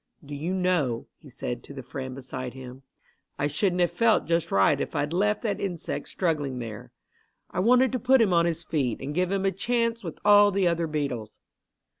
"Do you know," he said to the friend beside him, "I shouldn't have felt just right if I'd left that insect struggling there. I wanted to put him on his feet and give him a chance with all the other beetles."